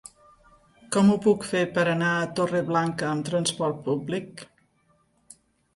Com ho puc fer per anar a Torreblanca amb transport públic?